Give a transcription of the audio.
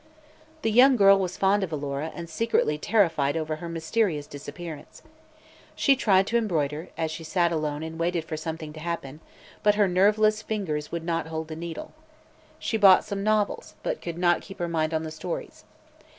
The young girl was fond of Alora and secretly terrified over her mysterious disappearance. She tried to embroider, as she sat alone and waited for something to happen, but her nerveless fingers would not hold the needle. She bought some novels but could not keep her mind on the stories.